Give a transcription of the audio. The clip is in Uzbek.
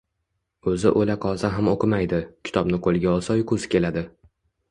O‘zi o‘la qolsa ham o‘qimaydi, kitobni qo‘lga olsa uyqusi keladi